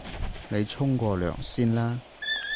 你沖個涼先啦